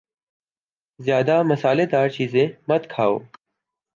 زیادہ مصالہ دار چیزیں مت کھاؤ